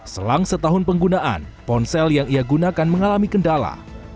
selang setahun penggunaan ponsel yang ia gunakan mengalami kendala